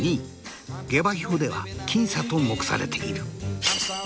下馬評では僅差と目されている。